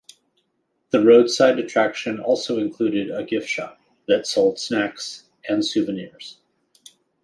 This roadside attraction also included a gift shop that sold snacks and souvenirs.